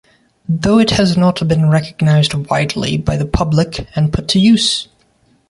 Though it has not been recognised widely by the public and put to use.